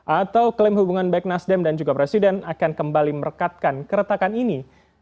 atau klaim hubungan baik nasdem dan juga presiden akan kembali merekatkan keretakan ini